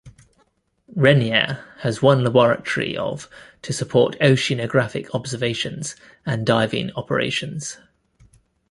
"Rainier" has one laboratory of to support oceanographic observations and diving operations.